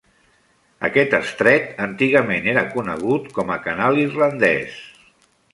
Aquest estret antigament era conegut com a canal irlandès.